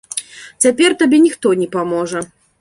- Цяпер табе ніхто не паможа